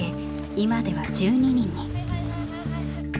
今では１２人に。